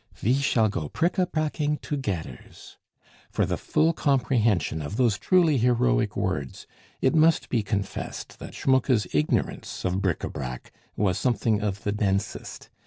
"Ve shall go prick a pracking togeders!" for the full comprehension of those truly heroic words, it must be confessed that Schmucke's ignorance of bric a brac was something of the densest.